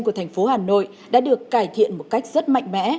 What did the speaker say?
của thành phố hà nội đã được cải thiện một cách rất mạnh mẽ